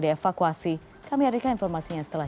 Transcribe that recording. dievakuasi kami hadirkan informasinya setelah